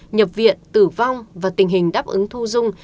nhập viện tử vong và tình hình đáp ứng thu dung